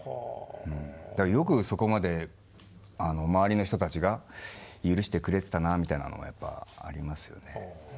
だからよくそこまで周りの人たちが許してくれてたなみたいなのはやっぱありますよね。